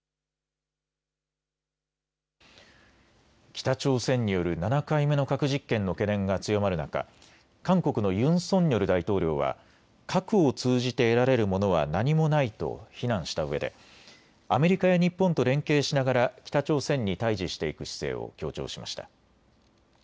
北朝鮮による７回目の核実験の懸念が強まる中、韓国のユン・ソンニョル大統領は核を通じて得られるものは何もないと非難したうえでアメリカや日本と連携しながら北朝鮮に対じしていく姿勢を強調しました。